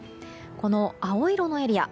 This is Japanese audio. この青色のエリア